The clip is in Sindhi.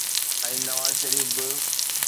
۽ نواز شريف به.